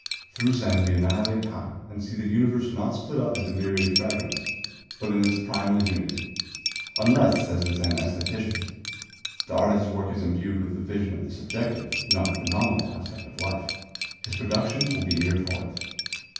Through Zen we annihilate Time and see the Universe not split up into myriad fragments, but in its primal unity. Unless, says the Zen æsthetician, the artist's work is imbued with this vision of the subjective, non phenomenal aspect of life, his productions will be mere toys.